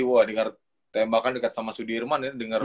wah denger tembakan dekat sama sudi irman ya denger